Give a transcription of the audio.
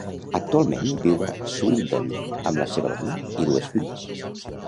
Actualment viu a Swindon amb la seva dona i dues filles.